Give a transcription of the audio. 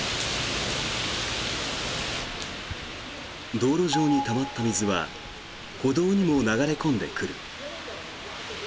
道路上にたまった水は歩道にも流れ込んでくる。